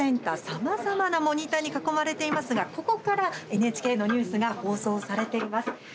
さまざまなモニターに囲まれていますがここからＮＨＫのニュースが放送されています。